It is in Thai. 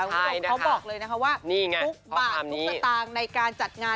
เขาบอกเลยนะฮะว่าทุกบาททุกสตางค์ในการจัดงาน